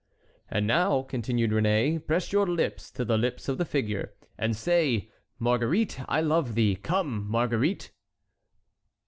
"And now," continued Réné, "press your lips to the lips of the figure, and say: 'Marguerite, I love thee! Come, Marguerite!'"